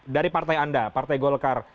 dari partai anda partai golkar